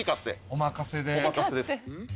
お任せです。